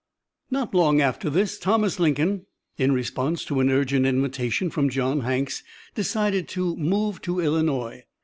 Not long after this Thomas Lincoln, in response to an urgent invitation from John Hanks, decided to move to Illinois.